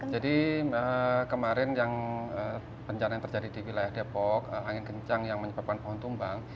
jadi kemarin penjara yang terjadi di wilayah depok angin kencang yang menyebabkan pohon tumbang